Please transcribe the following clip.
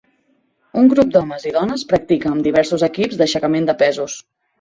Un grup d'homes i dones practica amb diversos equips d'aixecament de pesos.